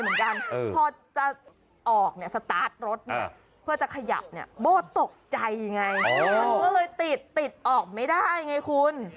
มันก็เลยติดติดออกไม่ได้ไงคุณ